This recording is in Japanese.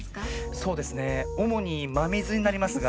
そうですねおもにまみずになりますが。